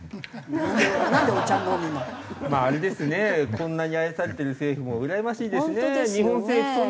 こんなに愛されてる政府もうらやましいですね。